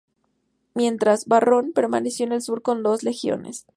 Mientras, Varrón permaneció en el sur con dos legiones.